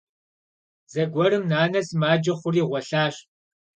Зэгуэрым нанэ сымаджэ хъури гъуэлъащ.